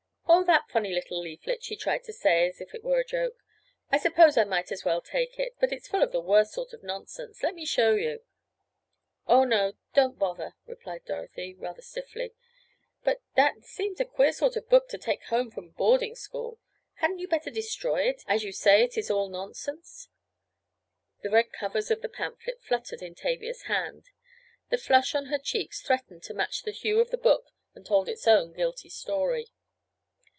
"Oh, that funny little leaflet," she tried to say as if it were a joke. "I suppose I might just as well take it, but it's full of the worst sort of nonsense. Let me show you—" "Oh, no; don't bother," replied Dorothy, rather stiffly. "But that seems a queer sort of a book to take home from boarding school. Hadn't you better destroy it, as you say it is all nonsense?" The red covers of the pamphlet fluttered in Tavia's hand. The flush on her cheeks threatened to match the hue of the book and told its own guilty story.